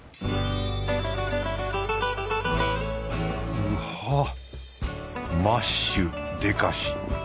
うはっマッシュでかし